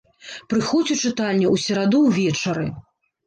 Прыходзь ў чытальню ў сераду ўвечары.